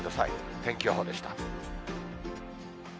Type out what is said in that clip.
天気予報でした。